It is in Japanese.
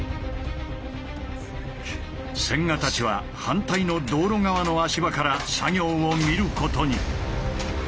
千賀たちは反対の道路側の足場から作業を見ることに。